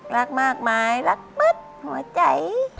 รักมากไหมรักหมดหัวใจ